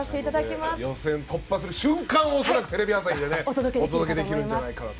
予選突破する瞬間をテレビ朝日でお届けできるんじゃないかと。